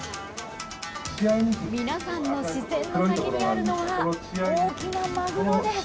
皆さんの視線の先にあるのは大きなマグロです。